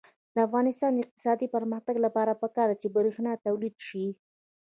د افغانستان د اقتصادي پرمختګ لپاره پکار ده چې برښنا تولید شي.